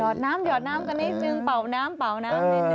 หยอดน้ำกันหนึ่งเป่าน้ำหนึ่ง